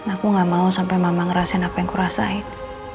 aku gak mau sampai mama ngerasain apa yang kuasain